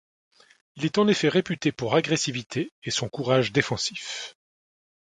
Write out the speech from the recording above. Il est en effet réputé pour agressivité et son courage défensif.